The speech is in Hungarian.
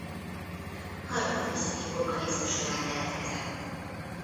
Harmadidőszaki vulkanizmus során keletkezett.